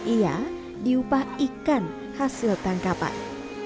ia diupah ikan hasil tangkapan